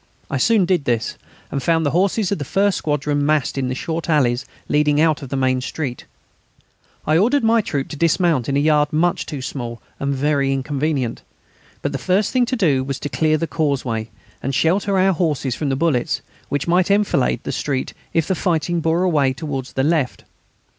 I soon did this, and found the horses of the first squadron massed in the short alleys leading out of the main street. I ordered my troop to dismount in a yard much too small and very inconvenient. But the first thing to do was to clear the causeway and shelter our horses from bullets, which might enfilade the street if the fighting bore away towards the left.